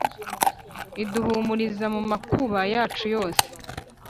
iduhumuriza mu makuba yacu yose,